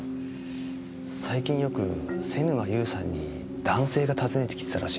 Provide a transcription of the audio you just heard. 最近よく瀬沼優さんに男性が訪ねて来てたらしいんです。